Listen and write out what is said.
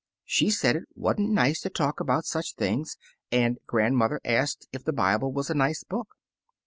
"She said it wasn't nice to talk about such things, and grandmother asked if the Bible was a nice book."